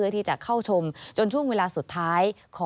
ที่จะเข้าชมจนช่วงเวลาสุดท้าย